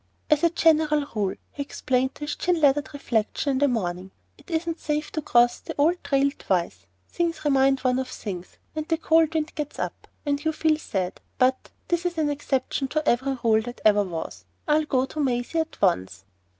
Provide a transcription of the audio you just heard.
"As a general rule," he explained to his chin lathered reflection in the morning, "it isn't safe to cross an old trail twice. Things remind one of things, and a cold wind gets up, and you feel sad; but this is an exception to every rule that ever was. I'll go to Maisie at once."